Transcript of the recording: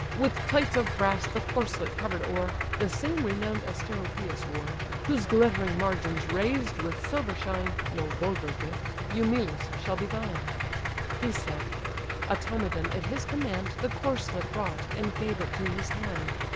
With plates of brass the corslet cover'd o'er, (The same renown'd Asteropaeus wore,) Whose glittering margins raised with silver shine, (No vulgar gift,) Eumelus! shall be thine." He said: Automedon at his command The corslet brought, and gave it to his hand.